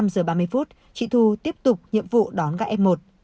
một mươi năm giờ ba mươi phút chị thu tiếp tục nhiệm vụ đón các f một